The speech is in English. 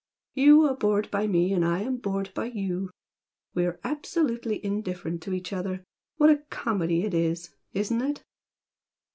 YOU are bored by me and I am bored by YOU! and we are absolutely indifferent to each other! What a comedy it is! Isn't it?"